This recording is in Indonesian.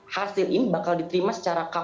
hasil ini bakal diterima secara kpk